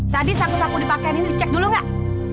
tadi saku saku dipakein ini dicek dulu gak